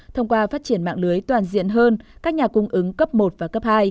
thông qua phát triển mạng lưới toàn diện hơn các nhà cung ứng cấp một và cấp hai